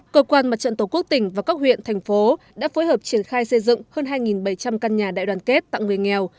cơ quan mặt trận tổ quốc tỉnh và các huyện thành phố đã phối hợp triển khai xây dựng hơn hai bảy trăm linh căn nhà đại đoàn kết tặng người nghèo